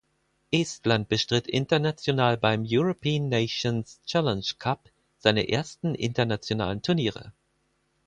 Estland bestritt international beim European Nations Challenge Cup seine ersten internationalen Turniere.